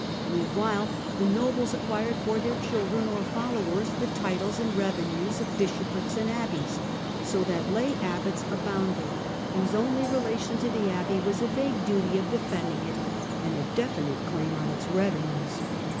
Meanwhile the nobles acquired for their children or followers the titles and revenues of bishoprics and abbeys, so that lay abbots abounded, whose only relation to the THE DARK AGES 239 )bey was a vague duty of defending it and a definite laim on its revenues.